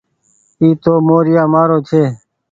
اي تو موريآ مآرو ڇي۔